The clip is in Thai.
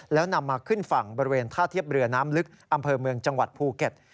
แล้วนำมาขึ้นฝั่งบริเวณท่าเทียบเรือน้ำลึกอำเภอเมืองจังหวัดภูเก็ต